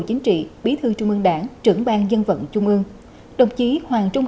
chính trị bí thư trung ương đảng trưởng ban dân vận trung ương đồng chí hoàng trung